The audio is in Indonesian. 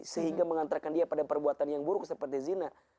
sehingga mengantarkan dia pada perbuatan yang buruk seperti zina